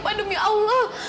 pak demi allah